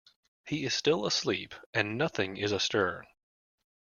He is still asleep, and nothing is astir.